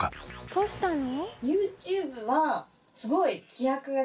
どうしたの？